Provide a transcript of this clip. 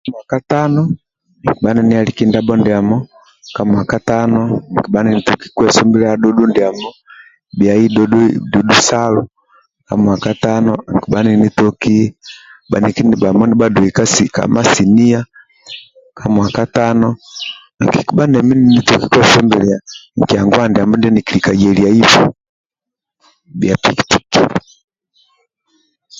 Ka muaka tano nkibha ninihaliki ndabho ndiamo ka muaka nkibha ninitoki kwesumbilia dhudhu ndiamo bhiai dhudhu dhu dhu salo ka mwaka tano nkibha ninitoki bhaniki ndibhamo nibhadoi ka masinia ka mwaka tano nkibha ninie sumbilia mikia nguwa ndiamo ndie nikilika yeliaibei bhia piki piki